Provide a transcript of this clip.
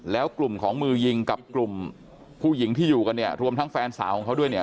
แล้วกลุ่มของมือยิงกับกลุ่มผู้หญิงที่อยู่กันเนี่ยรวมทั้งแฟนสาวของเขาด้วยเนี่ย